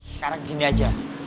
sekarang gini aja